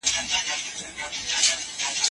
رڼا ورو ورو د غره شاته پناه واخیسته.